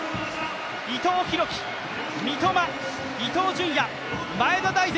伊藤洋輝、三笘、伊東純也、前田大然